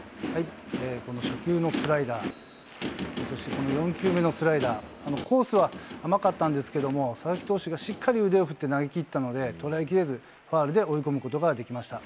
初球のスライダー、４球目のスライダー、コースは甘かったですが、佐々木投手がしっかり腕を振って投げきったので、とらえきれず、追い込むことができました。